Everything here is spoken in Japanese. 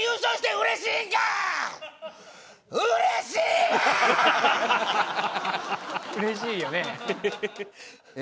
うれしいよね。